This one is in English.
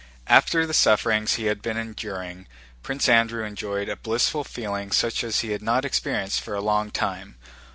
After the sufferings he had been enduring, Prince Andrew enjoyed a blissful feeling such as he had not experienced for a long time.